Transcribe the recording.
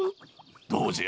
どうじゃ？